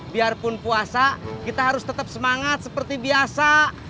biarpun puasa kita harus tetep memangat seperti biasa